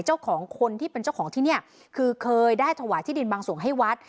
คนที่เป็นเจ้าของที่นี่คือเคยได้ถวายที่ดินบางส่วนให้วัด